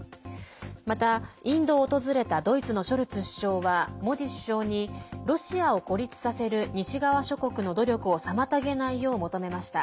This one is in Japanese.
また、インドを訪れたドイツのショルツ首相はモディ首相に、ロシアを孤立させる西側諸国の努力を妨げないよう求めました。